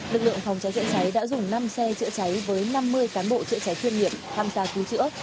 lực lượng phòng cháy chữa cháy đã dùng năm xe chữa cháy với năm mươi cán bộ chữa cháy chuyên nghiệp tham gia cứu chữa